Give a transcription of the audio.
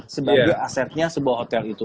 sebagai asetnya sebuah hotel itu